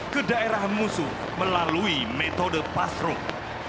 ke daerah musuh melalui metode pass through